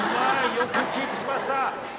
よくキープしました。